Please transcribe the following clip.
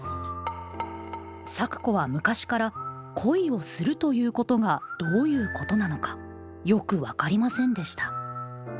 咲子は昔から恋をするということがどういうことなのかよく分かりませんでした。